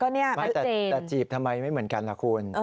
ไม่แต่จีบทำไมไม่เหมือนกันล่ะคุณ